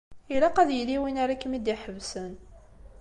Ilaq ad yili win ara kem-id-iḥebsen.